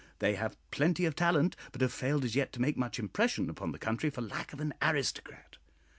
They have plenty of talent, but have failed as yet to make much impression upon the country for lack of an aristocrat.